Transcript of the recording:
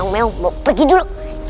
mau pergi dulu